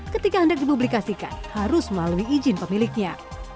ketika hendak dipublikasikan harus melalui izin pemiliknya